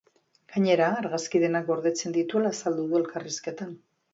Gainera, argazki denak gordetzen dituela azaldu du elkarrizketan.